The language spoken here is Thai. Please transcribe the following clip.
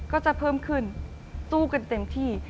ก็จะเพิ่มขึ้นสู้กันเต็มที่